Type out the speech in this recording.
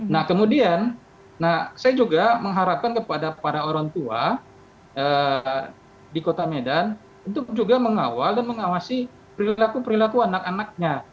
nah kemudian saya juga mengharapkan kepada para orang tua di kota medan untuk juga mengawal dan mengawasi perilaku perilaku anak anaknya